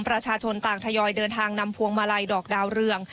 ประชาชนต่างทยอยเดินทางนำพวงมาลัยดอกดาวเรือง